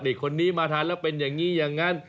นี่คนนี้มาทานแล้วเป็นอย่างนี้อย่างนั้น